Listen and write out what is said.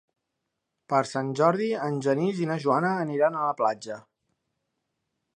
Per Sant Jordi en Genís i na Joana aniran a la platja.